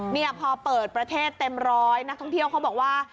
เนี่ยพอเปิดประเทศเต็มร้อยนักท่องเที่ยวเขาบอกว่า